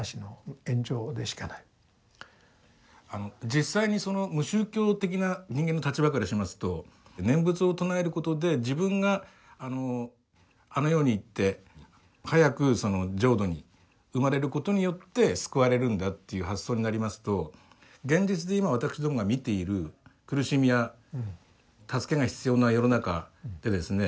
実際にその無宗教的な人間の立場からしますと念仏を称えることで自分があのあの世に行って早くその浄土に生まれることによって救われるんだという発想になりますと現実で今私どもが見ている苦しみや助けが必要な世の中でですね